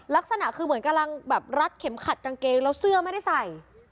ลักษณะคือเหมือนกำลังแบบรัดเข็มขัดกางเกงแล้วเสื้อไม่ได้ใส่